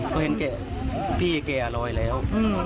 ก็เห็นแก่พี่แกลอยแล้ว